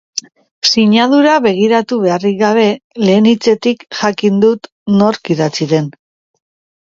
Sinadura begiratu beharrik gabe, lehen hitzetik ja-kin dut nork idatzia den.